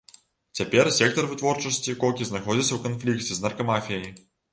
Цяпер сектар вытворчасці кокі знаходзіцца ў канфлікце з наркамафіяй.